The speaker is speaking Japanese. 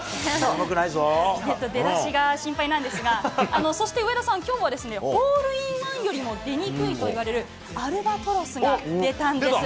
ちょっと出だしが心配なんですが、そして上田さん、きょうはホールインワンよりも出にくいといわれる、アルバトロスが出たんです。